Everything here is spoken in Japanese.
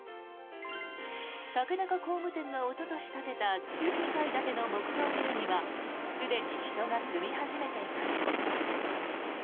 竹中工務店がおととし建てた１２階建ての木造ビルにはすでに人が住み始めています。